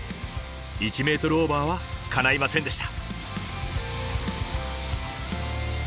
１ｍオーバーはかないませんでした。